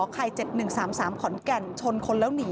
ขอนแก่นชนคนแล้วหนี